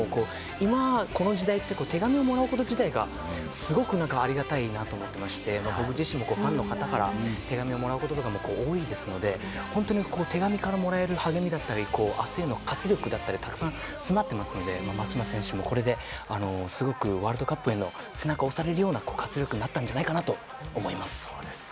今この時代って手紙をもらうこと自体がすごくありがたいなと思っていまして僕自身もファンの方から手紙をもらうことも多いですので、本当に手紙からもらえる励みだったり明日への活力だったりたくさん詰まっていますので松島選手もこれですごくワールドカップへ背中を押されるような活力になったんじゃないかなと思います。